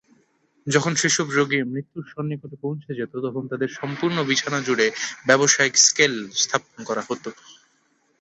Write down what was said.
যখন সেইসব রোগী মৃত্যুর সন্নিকটে পৌছে যেত, তখন তাদের সম্পূর্ণ বিছানা জুড়ে ব্যবসায়িক স্কেল স্থাপন করা হত।